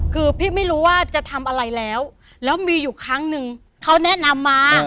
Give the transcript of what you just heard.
คือพี่ไม่รู้ว่าจะทำอะไรแล้วแล้วมีอยู่ครั้งหนึ่งเขาแนะนำมา